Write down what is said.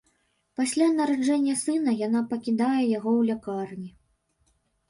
Пасля нараджэння сына яна пакідае яго ў лякарні.